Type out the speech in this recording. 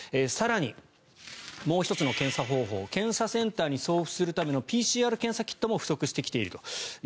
更にもう１つの検査方法検査センターに送付するためのＰＣＲ検査キットも不足してきていると。